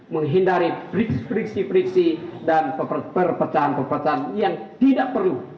menghindari priksi priksi dan pecahan pecahan yang tidak perlu